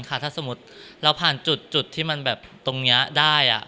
ถ้าสมมุติเราผ่านจุดที่มันแบบตรงนี้ได้